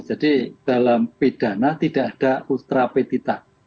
jadi dalam pidana tidak ada ultra petita